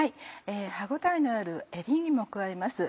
歯応えのあるエリンギも加えます。